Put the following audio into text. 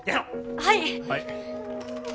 はい！